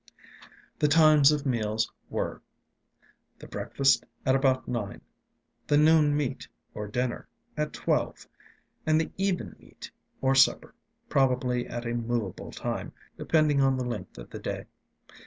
The times of meals were: the breakfast at about nine; the "noon meat," or dinner, at twelve; and the "even meat," or supper, probably at a movable time, depending on the length of the day.